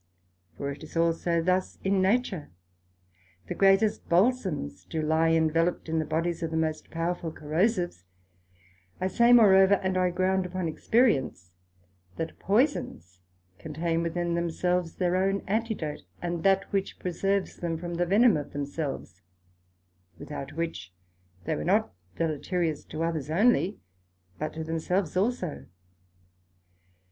For it is also thus in nature. The greatest Balsomes do lie enveloped in the bodies of most powerful Corrosives; I say moreover, and I ground upon experience, that poisons contain within themselves their own Antidote, and that which preserves them from the venome of themselves, without which they were not deleterious to others onely, but to themselves also.